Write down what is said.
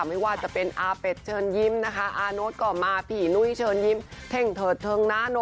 ไม่ว่าจะเป็นอะเปดเชิญยิ้มนะคะอะโน้ตก่อมาผี่นุ้ยเชิญยิ้มแข็งเถิดเสิงน้ำหตวแหละ